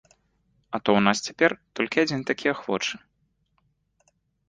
А то ў нас цяпер толькі адзін такі ахвочы.